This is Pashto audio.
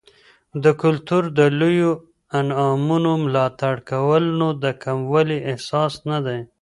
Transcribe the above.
د کلتور د لویو انعامونو ملاتړ کول، نو د کموالي احساس نه دی.